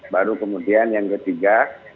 baru kemudian yang ketiga